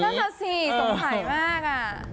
นั่นน่ะสิสงสัยมาก